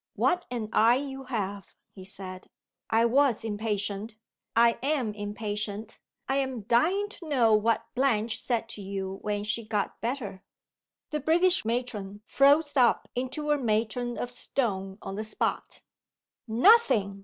"What an eye you have!" he said. "I was impatient. I am impatient. I am dying to know what Blanche said to you when she got better?" The British Matron froze up into a matron of stone on the spot. "Nothing!"